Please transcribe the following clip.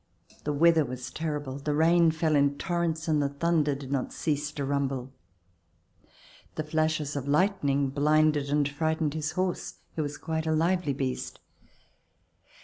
The weather was terrible. The rain fell in torrents and the thunder did not cease to rumble. The flashes of lightning blinded and frightened his horse who was quite a lively beast.